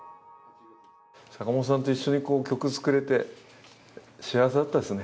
坂本さんと一緒に曲を作れて幸せだったですね。